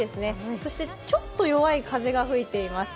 そしてちょっと弱い風が吹いています。